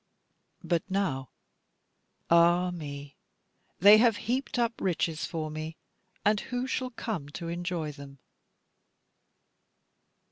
But now. Ah me, they have heaped up riches for me, and who shall come to enjoy them?